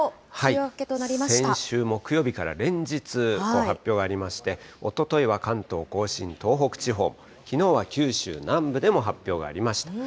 先週木曜日から連日、発表がありまして、おとといは関東甲信、東北地方、きのうは九州南部でも発表がありました。